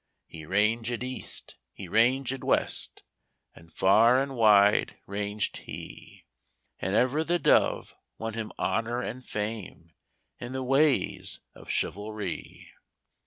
He ranged east, he ranged west, And far and wide ranged he And ever the dove won him honour and fame In the ways of chivalrie.